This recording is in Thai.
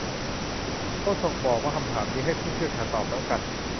โฆษกบอกว่าคำถามนี้ให้ผู้เชี่ยวชาญตอบแล้วกัน